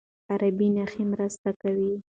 عربي نښې مرسته کوي.